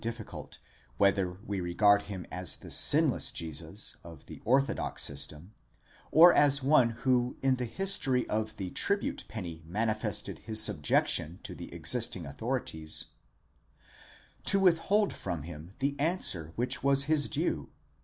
difficult whether we regard him as the sinless Jesus of the orthodox system, or as the one who in the history of the tribute penny manifested his subjection to the existing authorities) to withhold from him the answer which was his due?